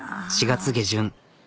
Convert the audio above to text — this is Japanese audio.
４月下旬。